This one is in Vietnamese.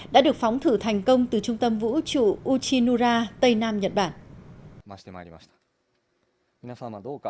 đã được phóng thử thành công từ trung tâm vũ trụ uchinura tây nam nhật bản